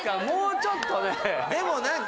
もうちょっとね。